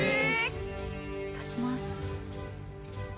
いただきます。